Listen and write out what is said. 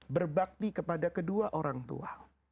berbakti kepada kedua orang tua